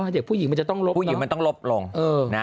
เด็กผู้หญิงมันจะต้องลบผู้หญิงมันต้องลบลง